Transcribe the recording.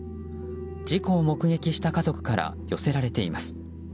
事故を目撃した家族から寄せられています。